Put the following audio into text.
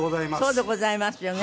そうでございますよね。